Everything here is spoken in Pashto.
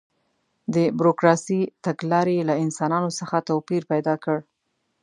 د بروکراسي تګلارې له انسانانو څخه توپیر پیدا کړ.